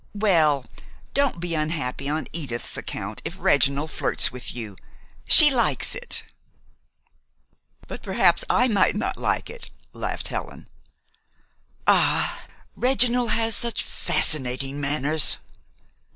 Well, don't be unhappy on Edith's account if Reginald flirts with you. She likes it." "But perhaps I might not like it," laughed Helen. "Ah, Reginald has such fascinating manners!"